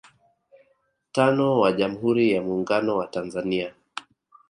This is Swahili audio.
tano wa Jamhuri ya Muungano wa Tanzania